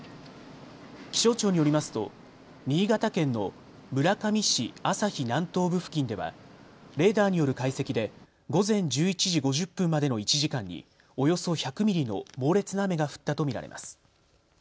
気象庁によりますと新潟県の村上市朝日南東部付近ではレーダーによる解析で午前１１時５０分までの１時間におよそ１００ミリの猛烈な雨が降ったと見られます。